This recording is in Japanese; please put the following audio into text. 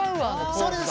そうです。